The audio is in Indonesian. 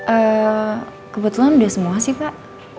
eh kebetulan udah semua sih pak